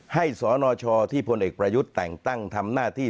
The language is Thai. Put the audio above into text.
สนชที่พลเอกประยุทธ์แต่งตั้งทำหน้าที่